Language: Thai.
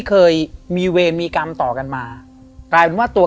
ความน่ากลัว